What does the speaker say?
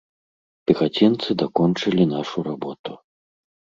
Пехацінцы дакончылі нашу работу.